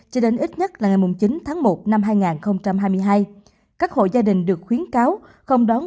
cho đến ít nhất là ngày chín tháng một năm hai nghìn hai mươi hai các hộ gia đình được khuyến cáo không đón